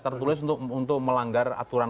tertulis untuk melanggar aturan lain atau lain